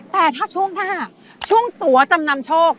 แต่ถ้าช่วงหน้าช่วงตัวจำนำโชค